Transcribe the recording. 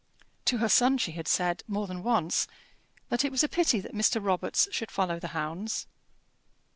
To her son she had said, more than once, that it was a pity that Mr. Robarts should follow the hounds.